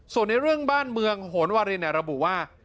ส่วนในเรื่องบ้านเมืองโหนวารินระบุว่า